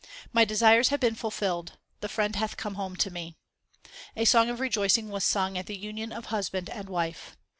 My desires have been fulfilled ; the Friend hath come home to me. A song of rejoicing was sung at the union of Husband and wife.